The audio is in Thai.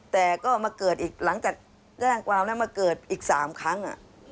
แต่ก็มาเกิดอีกหลังจากแจ้งความแล้วมาเกิดอีก๓ครั้ง